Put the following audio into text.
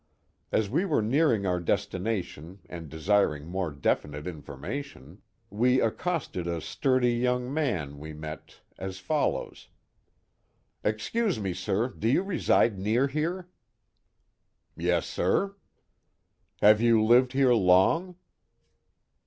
As we were nearing our destination and desiring more definite information, we accosted a sturdy young man we met Old Indian Names and Sites 349 as follows: Excuse me, sir, do you reside near here?*' Yes, sir.*' Have you lived here long